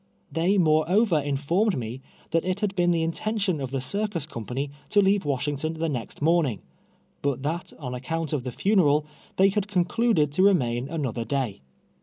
They moreover inform ed me that it had been the intention of the circus company to leave Washington the next morning, but that on account of the funeral, they had concluded to remain another day.